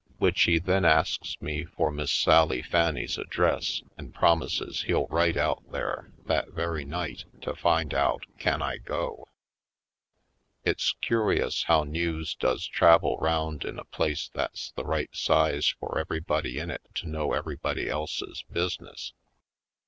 Which he then asks me for Miss Sally Fanny's address and promises he'll write out there that very night to find out can I go. It's curious how news does travel 'round in a place that's the right size for every body in it to know everybody else's business.